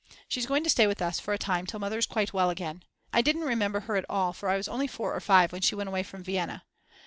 She's going to stay with us for a time till Mother is quite well again. I didn't remember her at all, for I was only four or five when she went away from Vienna.